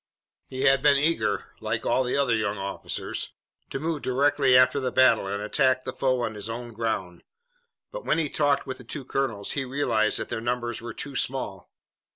He had been eager, like all the other young officers, to move directly after the battle and attack the foe on his own ground, but when he talked with the two colonels he realized that their numbers were too small.